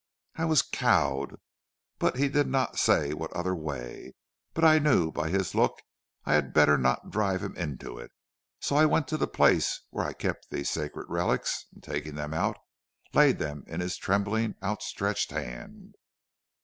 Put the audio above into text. "I was cowed; he did not say what other way, but I knew by his look I had better not drive him into it, so I went to the place where I kept these sacred relics, and taking them out, laid them in his trembling, outstretched hand.